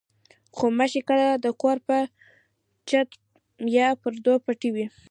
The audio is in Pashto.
غوماشې کله د کور په چت یا پردو پټې وي.